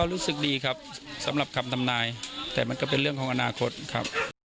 รู้สึกดีครับสำหรับคำทำนายแต่มันก็เป็นเรื่องของอนาคตครับ